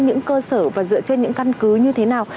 những cơ sở và dựa trên những căn cứ như thế nào